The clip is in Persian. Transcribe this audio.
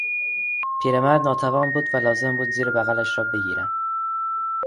پیرمرد ناتوان بود و لازم بود زیر بغلش را بگیرم.